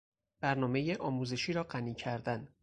برنامهی آموزشی را غنی کردن